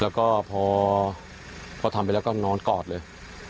แล้วก็พอทำไปแล้วก็นอนกอดเลย